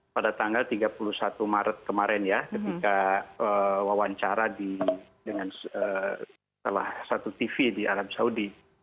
pada tanggal tiga puluh satu maret kemarin ya ketika wawancara dengan salah satu tv di arab saudi